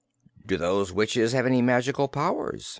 "Do those witches have any magical powers?"